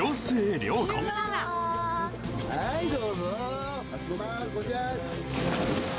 「はいどうぞ」